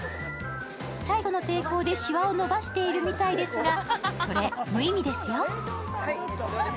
最後の抵抗でシワを伸ばしてるみたいですが、それ、無意味ですよ。